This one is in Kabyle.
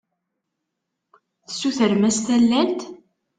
Tessutrem-as tallalt?